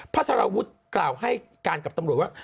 สารวุฒิกล่าวให้การกับตำรวจว่า